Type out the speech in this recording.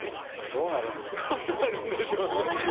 どうなるんでしょうね。